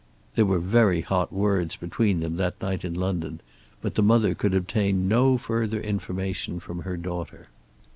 There were very hot words between them that night in London, but the mother could obtain no further information from her daughter.